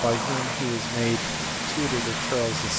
by whom he was made tutor to Charles VI.